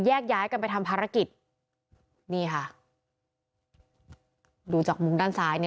ย้ายกันไปทำภารกิจนี่ค่ะดูจากมุมด้านซ้ายเนี่ย